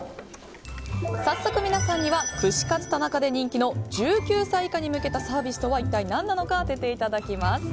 早速、皆さんには串カツ田中で人気の１９歳以下に向けたサービスとは一体何なのか当てていただきます。